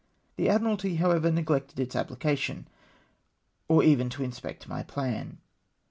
Tlie Admiralty, however, neglected its application, or even to inspect my plan.